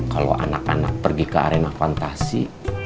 kalau anak anak pergi ke arena fantasi